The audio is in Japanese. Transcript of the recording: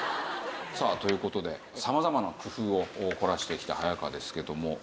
さあという事で様々な工夫を凝らしてきた早川ですけども。